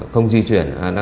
không di chuyển